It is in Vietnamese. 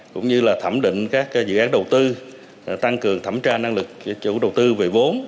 cũng như là thẩm định các dự án đầu tư tăng cường thẩm tra năng lực của chủ đầu tư về vốn